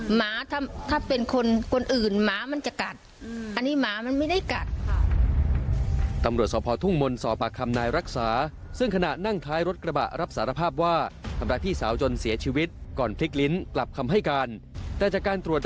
หมาถ้าเป็นคนอื่นหมามันจะกัด